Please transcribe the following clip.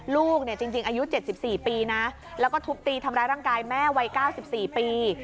ลูกเนี่ยจริงอายุ๗๔ปีนะแล้วก็ทุบตีทำร้ายร่างกายแม่วัย๙๔ปี